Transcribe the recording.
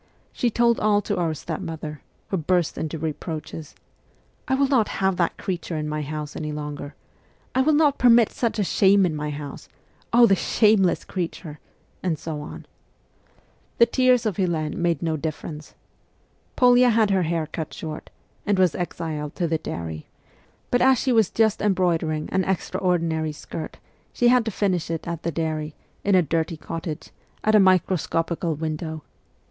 She told all to our step mother, who burst into reproaches :' I will not have that creature in my house any longer ! I will not permit such a shame in my house ! oh, the shameless creature !' and so on. The tears of Helene made no difference. Polya had her hair cut short, and was exiled to the dairy ; but as she was just embroidering an extraordinary skirt, she had to finish it at the dairy, in a dirty cottage, at a microscopical window.